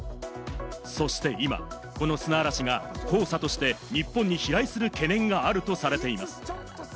そして今、この砂嵐が黄砂として日本に飛来する懸念があるとされています。